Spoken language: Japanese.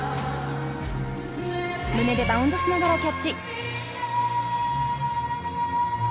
胸でバウンドしながらキャッチ。